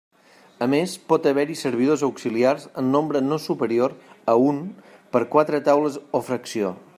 A més pot haver-hi servidors auxiliars en nombre no superior a un per quatre taules o fracció.